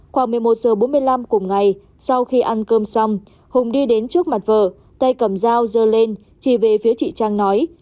khoảng một mươi một h bốn mươi năm cùng ngày sau khi ăn cơm xong hùng đi đến trước mặt vợ tay cầm dao dơ lên chỉ về phía chị trang nói